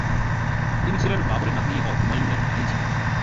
তিনি ছিলেন বাবর এর নাতনি ও হুমায়ুন এর ভাইঝি।